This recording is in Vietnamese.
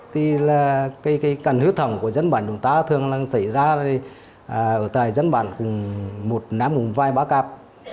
thì là cái cần huyết thống của dân bản chúng ta thường xảy ra ở tại dân bản cùng một năm cùng vai ba cặp